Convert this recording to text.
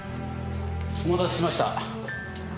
お待たせしました。